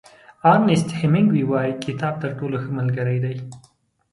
ارنیست هېمېنګوی وایي کتاب تر ټولو ښه ملګری دی.